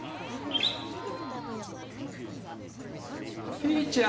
ピーちゃん！